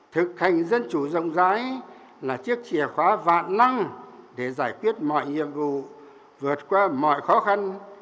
thực hành dân chủ rộng rãi là chiếc chìa khóa vạn năng để giải quyết mọi nhiệm vụ vượt qua mọi khó khăn